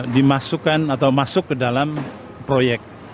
dimasukkan atau masuk ke dalam proyek